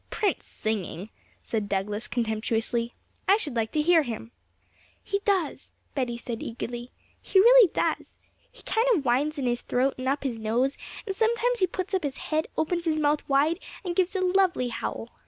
'Prince singing!' said Douglas contemptuously; 'I should like to hear him!' 'He does,' Betty said eagerly; 'he really does. He kind of whines in his throat and up his nose, and sometimes he puts up his head, opens his mouth wide, and gives a lovely howl!